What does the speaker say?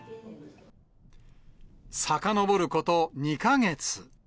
さかのぼること２か月。